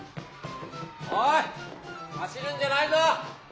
おい走るんじゃないぞ！